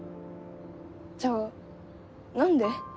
じゃあ何で？